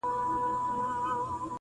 غمی ورک سو د سړي پر سترګو شپه سوه،